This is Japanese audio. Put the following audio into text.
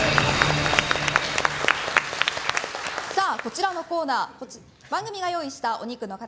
こちらのコーナー番組が用意したお肉の塊